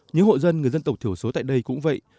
những hộ dân người dân tộc thiểu số tại đây cũng vậy